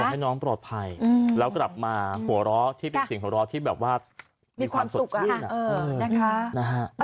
ให้น้องปลอดภัยแล้วกลับมาหัวเราะที่เป็นเสียงหัวเราะที่แบบว่ามีความสดชื่นนะฮะ